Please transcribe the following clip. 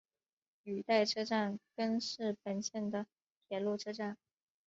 羽带车站根室本线的铁路车站。